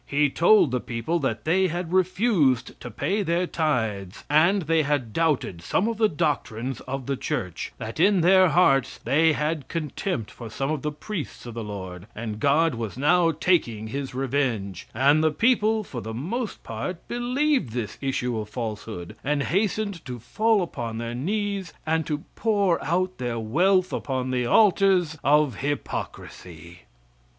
He told the people that they had refused to pay their tithes, and they had doubted some of the doctrines of the church, that in their hearts they had contempt for some of the priests of the Lord, and God was now taking his revenge, and the people, for the most part, believed this issue of falsehood, and hastened to fall upon their knees and to pour out their wealth upon the altars of hypocrisy.